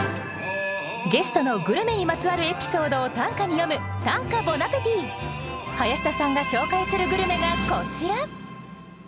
ゲストのグルメにまつわるエピソードを短歌に詠む林田さんが紹介するグルメがこちら！